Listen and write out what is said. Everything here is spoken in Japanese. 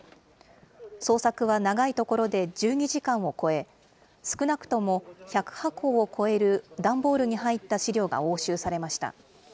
捜索は長いところで１２時間を超え、少なくとも１００箱を超える段ボールに入った資料が押収されました。